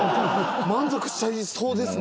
満足しちゃいそうですね。